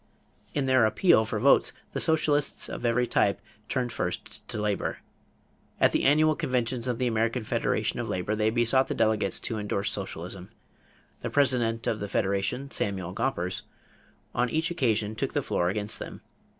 In their appeal for votes, the socialists of every type turned first to labor. At the annual conventions of the American Federation of Labor they besought the delegates to endorse socialism. The president of the Federation, Samuel Gompers, on each occasion took the floor against them.